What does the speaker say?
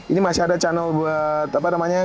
ini masih ada channel buat apa namanya